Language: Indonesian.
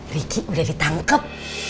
riki udah ditangkep